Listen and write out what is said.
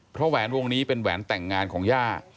เพราะแหวนวงนี้เป็นแหวนแต่งงานของย่า